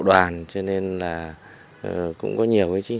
đoàn cho nên là cũng có nhiều với chính